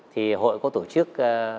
thì hội có tổ chức